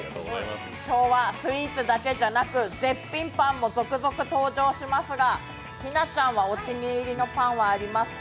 今日はスイーツだけじゃなく絶品パンもたくさん登場しますが日奈ちゃんはお気に入りのパンはありますか？